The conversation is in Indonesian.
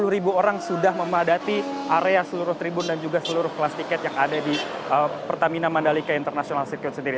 sepuluh ribu orang sudah memadati area seluruh tribun dan juga seluruh kelas tiket yang ada di pertamina mandalika international circuit sendiri